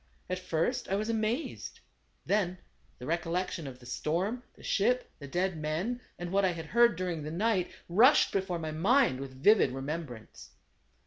At first, I was amazed. Then the recollection of the storm, the ship, the dead men, and what I had heard during the night, rushed before my mind with vivid remembrance.